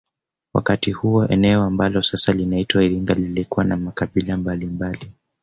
Wakati huo eneo ambalo sasa linaitwa iringa lilikuwa na makabila mbalimbali